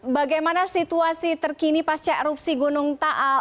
bagaimana situasi terkini pasca erupsi gunung taal